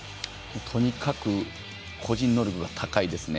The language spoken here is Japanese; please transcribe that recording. とにかく個人能力が高いですね。